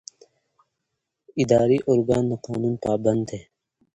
اداري ارګان د قانون پابند دی.